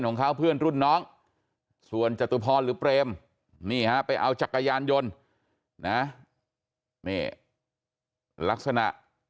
ของเขาเพื่อนรุ่นน้องส่วนจตุพรหรือเปรมนี่ฮะไปเอาจักรยานยนต์นะนี่ลักษณะ